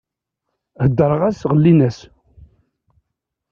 Heddreɣ-as ɣellin-as.